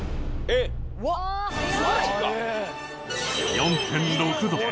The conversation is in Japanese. ４．６度。